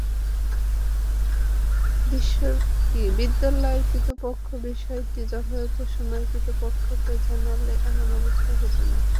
বিদ্যালয় কর্তৃপক্ষ বিষয়টি যথাযথ সময়ে কর্তৃপক্ষকে জানালে এমন অবস্থা হতো না।